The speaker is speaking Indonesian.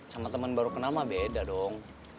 sama teman baru kenal mah beda dong